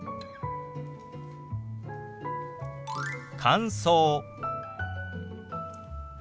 「乾燥」。